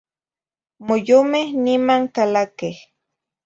Moyomeh niman calaqueh.